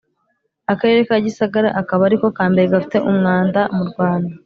Akarere ka gisagara akaba ariko kambere gafite umwanda mu Rwanda